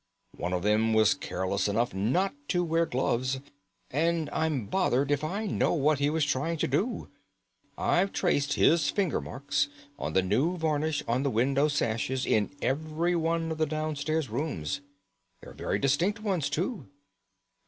One of them was careless enough not to wear gloves, and I'm bothered if I know what he was trying to do. I've traced his finger marks on the new varnish on the window sashes in every one of the downstairs rooms. They are very distinct ones too."